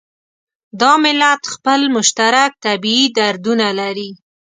دا ملت خپل مشترک طبعي دردونه لري.